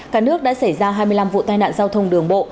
cả nước đã xảy ra hai mươi năm vụ tai nạn giao thông đường bộ